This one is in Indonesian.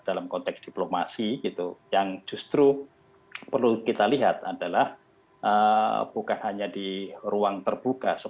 dalam konteks diplomasi gitu yang justru perlu kita lihat adalah bukan hanya di ruang terbuka